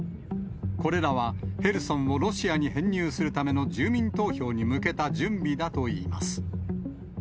これらは、ヘルソンをロシアに編入するための住民投票に向けた準備だといいます。